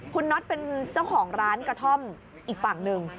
คุณน็อตเป็นเจ้าของร้านกระท่อมอีกฝั่งหนึ่ง